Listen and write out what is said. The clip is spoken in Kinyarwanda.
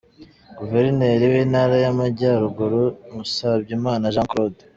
Guverineri w’Intara y’Amajyaruguru, Musabyimana Jean Claude .